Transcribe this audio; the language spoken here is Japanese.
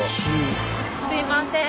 すいません！